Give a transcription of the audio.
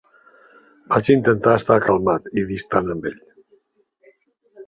Vaig intentar estar calmat i distant amb ell.